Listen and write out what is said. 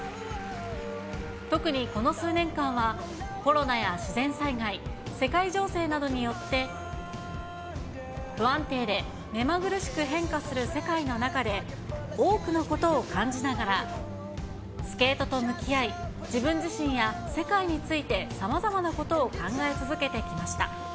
特にこの数年間は、コロナや自然災害、世界情勢などによって不安定で目まぐるしく変化する世界の中で、多くのことを感じながらスケートと向き合い、自分自身や世界についてさまざまなことを考え続けてきました。